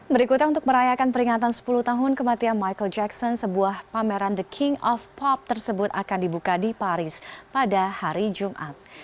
berikutnya untuk merayakan peringatan sepuluh tahun kematian michael jackson sebuah pameran the king of pop tersebut akan dibuka di paris pada hari jumat